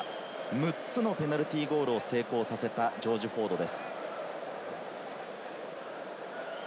６つのペナルティーゴールを成功させたジョージ・フォードです。